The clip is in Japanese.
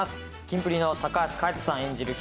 キンプリの橋海人さん演じる